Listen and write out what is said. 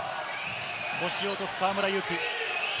腰を落とす河村勇輝。